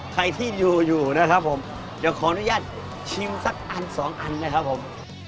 ใครที่อยู่อยู่นะครับผมเดี๋ยวขออนุญาตชิมสักอันสองอันนะครับผม